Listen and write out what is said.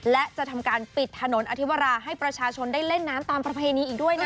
และจะทำการปิดถนนอธิวราให้ประชาชนได้เล่นน้ำตามประเพณีอีกด้วยนะ